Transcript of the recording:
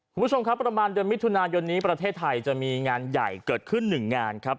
คุณผู้ชมครับประมาณเดือนมิถุนายนนี้ประเทศไทยจะมีงานใหญ่เกิดขึ้นหนึ่งงานครับ